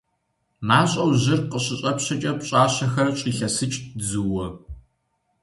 МащӀэу жьыр къыщыщӀэпщэкӀэ пщӀащэхэр щӀилъэсыкӀт зууэ.